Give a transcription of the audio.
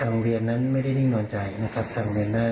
โรงเรียนนั้นไม่ได้นิ่งนอนใจนะครับทางเดินหน้า